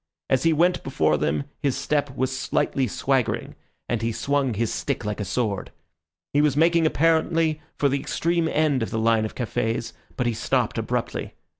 As he went before them his step was slightly swaggering, and he swung his stick like a sword. He was making apparently for the extreme end of the line of cafés, but he stopped abruptly.